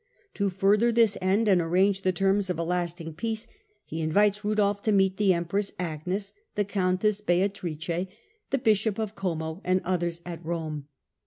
To further this end and arrange the terms of a lasting peace he invites Rudolf to meet the empress Agnes, the countess Beatrice, the bishop of Como, and others at Rome.